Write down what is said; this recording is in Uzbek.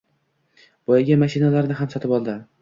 Boyagi mashinalarni ham sotib oldi